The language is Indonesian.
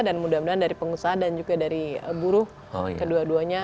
dan mudah mudahan dari pengusaha dan juga dari buruh kedua duanya